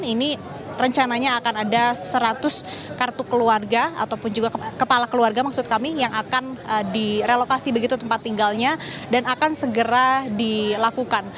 ini rencananya akan ada seratus kartu keluarga ataupun juga kepala keluarga maksud kami yang akan direlokasi begitu tempat tinggalnya dan akan segera dilakukan